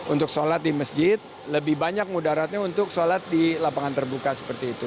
untuk sholat di masjid lebih banyak mudaratnya untuk sholat di lapangan terbuka seperti itu